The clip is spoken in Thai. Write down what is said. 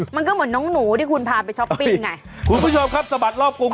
มันก็เหมือนน้องหนูที่คุณพาไปช้อปปิ้งไงคุณผู้ชมครับสะบัดรอบกรุง